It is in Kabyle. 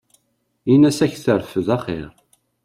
Ina-s ad k-terfed axir.